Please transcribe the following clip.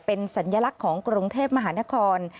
เป็นสัญลักษณ์ของกรุงเทพมหานคร